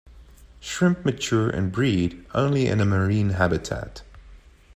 Shrimp mature and breed only in a marine habitat.